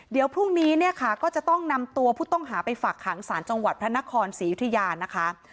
เดี๋ยวพรุ่งนี้เนี่ยค่ะก็จะต้องนำตัวผู้ต้องหาไปฝากขังสารจังหวัดพระนครศรียุธยานะคะ